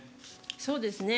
そうですね。